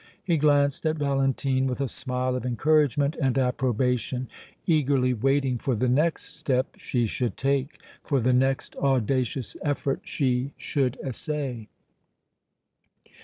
He glanced at Valentine, with a smile of encouragement and approbation, eagerly waiting for the next step she should take, for the next audacious effort she should essay.